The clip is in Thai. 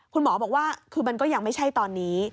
คุณหมอบอกว่าคือมันก็ยังไม่ใช่ตอนนี้